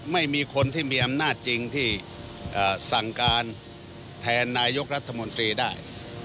ไม่มีคนที่มีอำนาจจริงที่สั่งการแทนนายกรัฐมนตรีได้